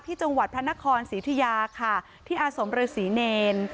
จังหวัดพระนครศรีธุยาค่ะที่อาสมฤษีเนร